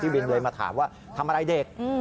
บินเลยมาถามว่าทำอะไรเด็ก